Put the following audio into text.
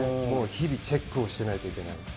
もう、日々チェックをしてないといけない。